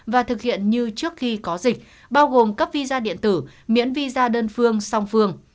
và thực hiện như trước khi có dịch bao gồm cấp visa điện tử miễn visa đơn phương song phương